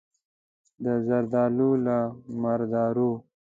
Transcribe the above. د زردارو، له مردارو.